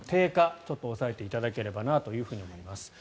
ちょっと抑えていただければなと思います。